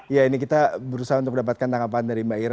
ya ini kita berusaha untuk mendapatkan tanggapan dari mbak ira